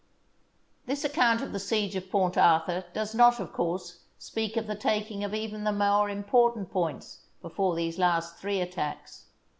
This account of the siege of Port Arthur does not, of course, speak of the taking of even the more important points before these last three attacks.